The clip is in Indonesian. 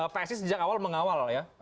psi sejak awal mengawal ya